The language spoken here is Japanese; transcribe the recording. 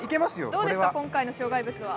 どうですか、今回の障害物は。